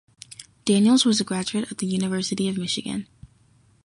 Daniels was a graduate of the University of Michigan.